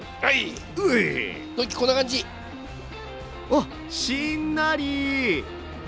あっしんなり！